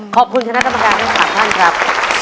ขอบคุณคณะต่อมากครับท่านครับ